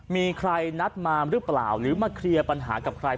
มีใครนัดมาหรือเปล่าหรือมาเคลียร์ปัญหากับใคร